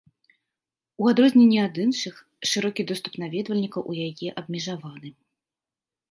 У адрозненне ад іншых, шырокі доступ наведвальнікаў у яе абмежаваны.